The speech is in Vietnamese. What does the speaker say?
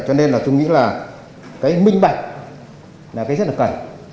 cho nên là tôi nghĩ là cái minh bạch là cái rất là cần